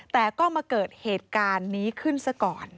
แต่ก็มาเกิดเหตุการณ์นี้ขึ้นซะก่อน